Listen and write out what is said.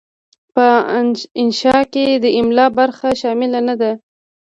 په انشأ کې د املاء برخه شامله نه ده.